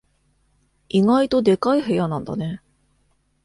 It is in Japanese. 意外とでかい部屋なんだね。